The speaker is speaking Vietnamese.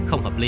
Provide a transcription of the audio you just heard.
không hợp lý